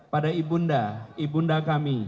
pada ibunda ibunda kami